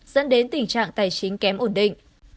dẫn đến tình trạng tài chính kém ổn định